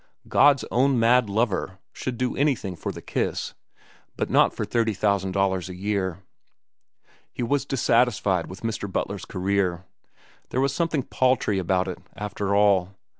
God's own mad lover should do anything for the kiss, but not for thirty thousand dollars a year. He was dissatisfied with Mr. Butler's career. There was something paltry about it, after all.